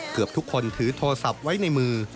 เกือบทุกคนถือโทรศัพท์ไว้ในมือ